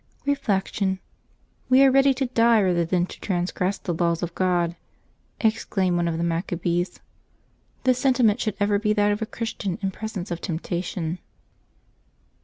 Reflection. —" We are ready to die rather than to trans gress the laws of God !" exclaimed one of the Machabees. This sentiment should ever be that of a Christian in pres ence of temptation.